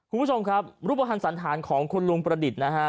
คุณผู้ชมครับรูปภัณฑ์สันธารของคุณลุงประดิษฐ์นะฮะ